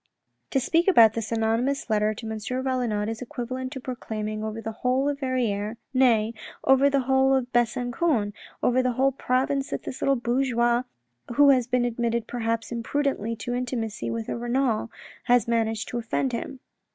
" To speak about this anonymous letter to M. Valenod is equivalent to proclaiming over the whole of Verrieres, nay, over the whole of Besancon, over the whole province that this little bourgeois who has been admitted perhaps imprudently to intimacy with a Renal, has managed to offend him.